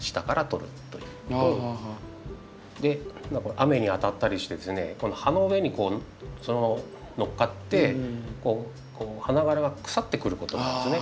雨に当たったりしてですねこの葉の上に載っかって花がらが腐ってくることがあるんですね。